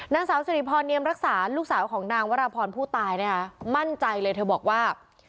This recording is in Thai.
นางสาวสิริพรเนียมรักษาลูกสาวของนางวรพรผู้ตายนะคะมั่นใจเลยเธอบอกว่า